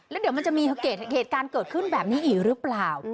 แล้วเดี๋ยวมันจะมีเหตุการณ์เกิดขึ้นแบบนี้อีกหรือเปล่า